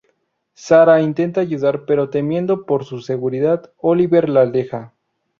Sara intenta ayudar pero temiendo por su seguridad, Oliver la aleja.